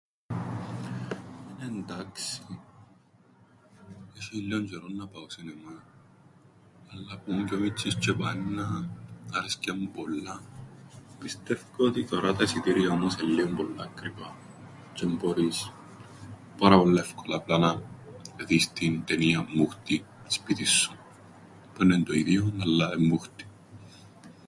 Εντάξει, έσ̆ει λλίον τζ̆αιρόν να πάω σινεμά, αλλά που 'μουν πιο μιτσ̆ής τζ̆αι επάαιννα άρεσκεν μου πολλά. Πιστεύκω ότι τωρά τα εισιτήρια όμως εν' λλίον πολλά ακριβά, τζ̆αι μπόρεις πάρα πολλά εύκολα να δεις την ταινίαν μούχτιν, σπίτιν σου, που έννεν' το ίδιον, αλλά εν' μούχτιν.